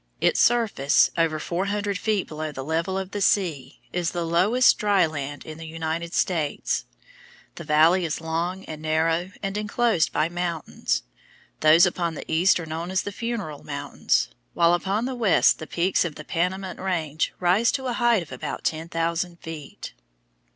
Its surface, over four hundred feet below the level of the sea, is the lowest dry land in the United States. The valley is long and narrow and enclosed by mountains. Those upon the east are known as the Funeral Mountains, while upon the west the peaks of the Panamint Range rise to a height of about ten thousand feet.